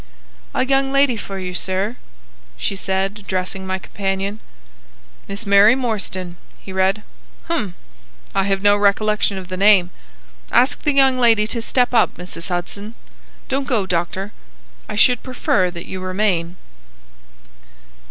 "A young lady for you, sir," she said, addressing my companion. "Miss Mary Morstan," he read. "Hum! I have no recollection of the name. Ask the young lady to step up, Mrs. Hudson. Don't go, doctor. I should prefer that you remain."